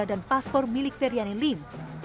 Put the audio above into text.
dan paspor milik feryani lim